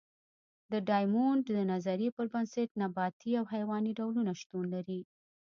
د ډایمونډ د نظریې پر بنسټ نباتي او حیواني ډولونه شتون لري.